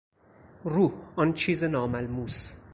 روح، آن چیز ناملموس